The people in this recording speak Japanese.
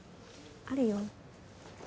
あるよ。